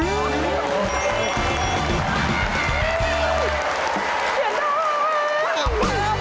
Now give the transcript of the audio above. เดี๋ยวหน่อย